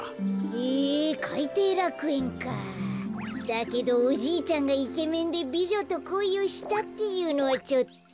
だけどおじいちゃんがイケメンでびじょとこいをしたっていうのはちょっと。